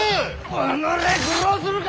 おのれ愚弄するか！